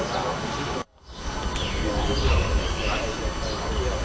สวัสดีครับทุกคน